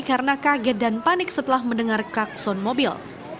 karena kaget dan panik setelah mendengar kelakson mobil